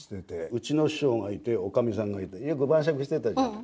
うちの師匠がいておかみさんがいてよく晩酌してたじゃない。